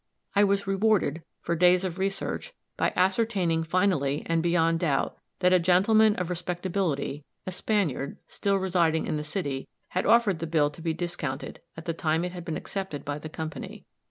I was rewarded, for days of research, by ascertaining, finally, and beyond doubt, that a gentleman of respectability, a Spaniard, still residing in the city, had offered the bill to be discounted at the time it had been accepted by the company.